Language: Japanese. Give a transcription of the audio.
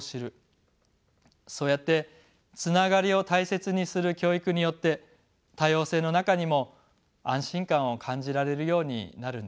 そうやってつながりを大切にする教育によって多様性の中にも安心感を感じられるようになるんです。